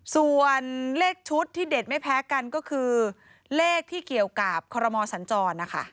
ส่วนเลขชุดที่เด็ดไม่แพ้กันก็คือเลขที่เกี่ยวกับคอรมอสัญจรนะคะ